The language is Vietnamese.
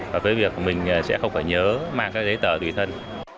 và với việc mình sẽ không phải nhớ mang cái giấy tờ tùy thân